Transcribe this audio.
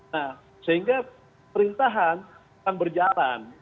nah sehingga perintahan akan berjalan